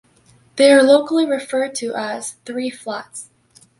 They are locally referred to as "Three Flats".